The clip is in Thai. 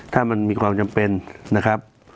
ถ้ามันมีความจำเป็นนะครับ